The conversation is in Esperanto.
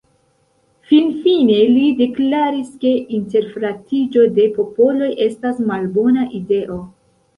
Finfine li deklaris, ke interfratiĝo de popoloj estas malbona ideo.